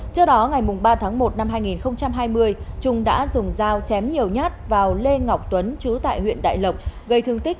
trước đó ngày ba tháng một năm hai nghìn hai mươi trung đã dùng dao chém nhiều nhát vào lê ngọc tuấn trú tại huyện đại lộc gây thương tích bốn mươi sáu